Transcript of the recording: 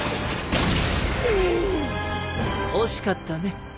惜しかったね。